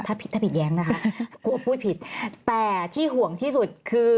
ถ้าผิดแย้งนะคะกลัวพูดผิด